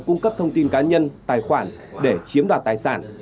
cung cấp thông tin cá nhân tài khoản để chiếm đoạt tài sản